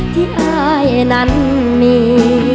ที่อายนั้นมี